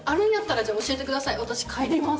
私帰ります。